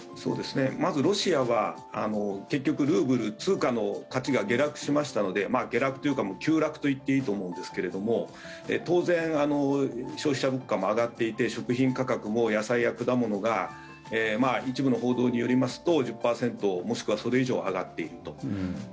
まずロシアは結局ルーブル、通貨の価値が下落しましたので下落というか急落と言っていいと思うんですけれども当然、消費者物価も上がっていて食品価格も野菜や果物が一部の報道によりますと１０％もしくはそれ以上上がっていると。